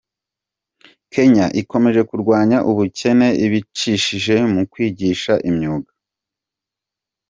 Kenya ikomeje kurwanya ubukene ibicishije mu kwigisha imyuga